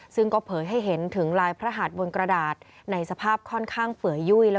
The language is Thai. ซึ่งก็เผยให้เห็นถึงลายพระหาดบนกระดาษในสภาพค่อนข้างเปื่อยยุ่ย